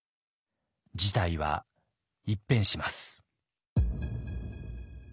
事態は一変します。